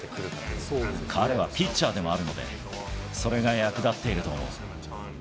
彼はピッチャーでもあるので、それが役立っていると思う。